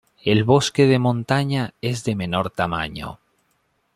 El bosque de montaña es de menor tamaño.